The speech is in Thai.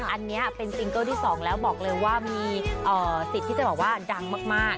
อันนี้เป็นซิงเกิลที่๒แล้วบอกเลยว่ามีสิทธิ์ที่จะบอกว่าดังมาก